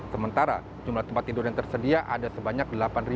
sementara jumlah tempat tidur yang tersedia ada sebanyak delapan